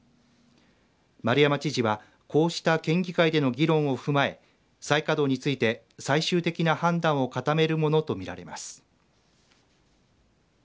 丸山知事はこうした県議会での議論を踏まえ再稼働について最終的な判断を固めるものとみられます。